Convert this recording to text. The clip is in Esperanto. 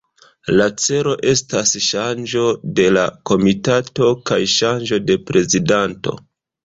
La celo estas ŝanĝo de la komitato, kaj ŝanĝo de prezidanto.